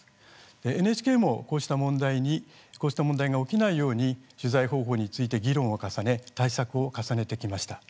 ＮＨＫもこうした問題が起きないように取材方法について議論を重ね対策を重ねてきました。